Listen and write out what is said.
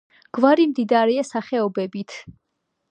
გვარი მდიდარია სახეობებით.